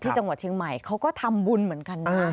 จังหวัดเชียงใหม่เขาก็ทำบุญเหมือนกันนะ